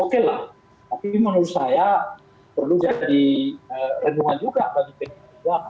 oke lah tapi menurut saya perlu jadi renungan juga bagi penduduk juga